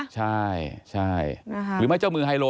ใช่ใช่หรือไม่เจ้ามือไฮโล